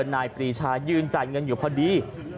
นายปีซำหรือยืนจ่ายเงินอยู่พอดี